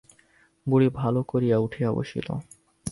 বুড়ি ভালো করিয়া উঠিয়া বসিল।